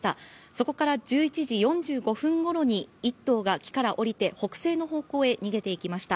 そこから１１時４５分ごろに１頭が木から下りて北西の方向へ逃げていきました。